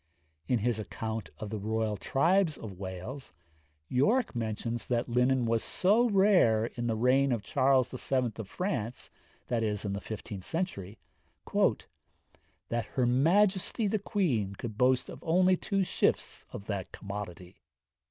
In his account of the royal tribes of Wales, Yorke mentions that linen was so rare in the reign of Charles VII. of France (i.e., in the fifteenth century) 'that her majesty the queen could boast of only two shifts of that commodity.'